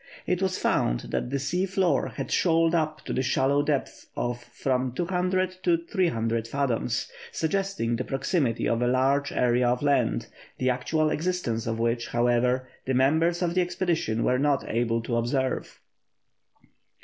It was found that the sea floor had shoaled up to the shallow depth of from 200 to 300 fathoms, suggesting the proximity of a large area of land, the actual existence of which, however, the members of the expedition were not able to observe.